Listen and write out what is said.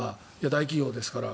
大企業ですから。